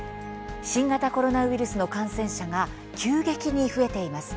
新型コロナウイルスの感染者が急激に増えています。